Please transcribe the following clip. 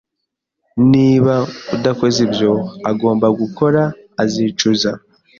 Niba adakoze ibyo agomba gukora, azicuza.